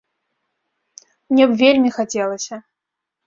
Мне б вельмі хацелася.